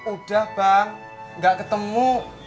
udah bang gak ketemu